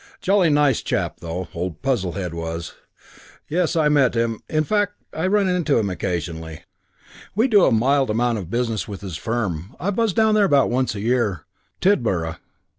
Jolly nice chap, though, old Puzzlehead was.... Yes, I met him.... Fact, I run into him occasionally. We do a mild amount of business with his firm. I buzz down there about once a year. Tidborough.